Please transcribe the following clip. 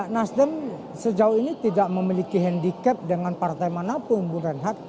nasdem sejauh ini tidak memiliki handicap dengan partai manapun